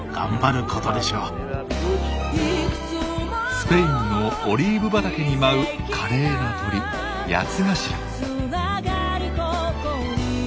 スペインのオリーブ畑に舞う華麗な鳥ヤツガシラ。